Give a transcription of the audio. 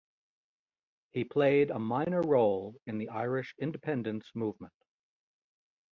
He played a minor role in the Irish independence movement.